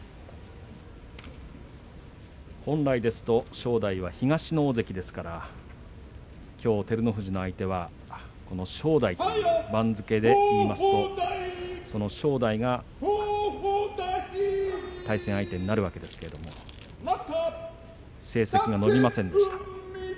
本来ですと正代は東の大関ですからきょうは照ノ富士の相手はこの正代という番付で言いますとその正代が対戦相手になるわけですけれども成績が伸びませんでした。